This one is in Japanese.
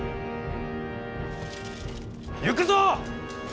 行くぞ！